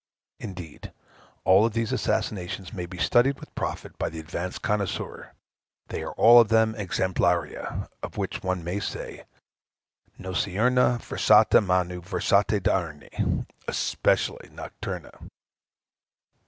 Indeed, all of these assassinations may be studied with profit by the advanced connoisseur. They are all of them exemplaria, of which one may say, Nociurnâ versatâ manu, versate diurne; Especially nocturnâ.